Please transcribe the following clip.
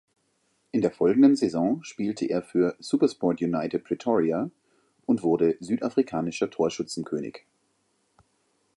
In der folgenden Saison spielte er für Supersport United Pretoria und wurde südafrikanischer Torschützenkönig.